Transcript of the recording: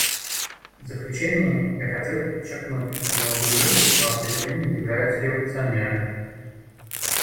В заключение я хотел бы подчеркнуть, что молодые люди, по определению, являются революционерами.